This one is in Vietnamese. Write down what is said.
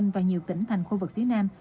và nhiều tỉnh thành khu vực phía nam